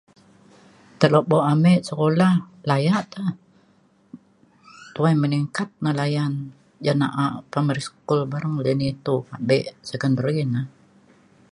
telobok amik sekolah layak te tuai meningkat ne layan ja na'a pemeri school pe bareng ni tuk abik secondary ne